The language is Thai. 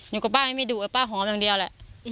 อยู่กับป้านี่ไม่ดุป้าของสังเกียจเลย